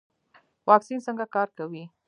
واکسین څنګه کار کوي؟